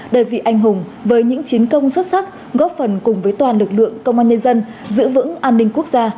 đời vị anh hùng với những chiến công xuất sắc góp phần cùng với toàn lực lượng công an nhân dân giữ vững an ninh quốc gia